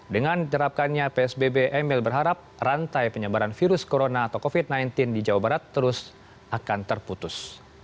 dengan diterapkannya psbb emil berharap rantai penyebaran virus corona atau covid sembilan belas di jawa barat terus akan terputus